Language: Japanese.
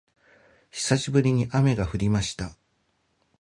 久しぶりに雨が降りました